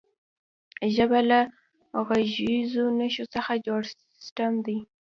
ژبه له غږیزو نښو څخه جوړ سیستم دی.